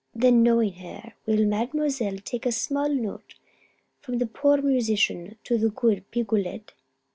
"Then, knowing her, will the Mademoiselle take a small note from the poor musician to the good Picolet?